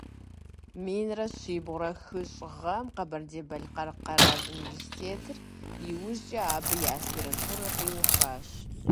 Минрэ щибгъурэ хыщӏ гъэм Къэбэрдей-Балъкъэр къэрал университетыр, иужькӀэ абы и аспирантурэр къиухащ.